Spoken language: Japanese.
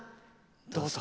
どうぞ。